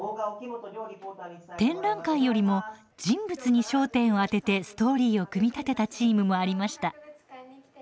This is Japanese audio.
展覧会よりも人物に焦点を当ててストーリーを組み立てたチームもありました。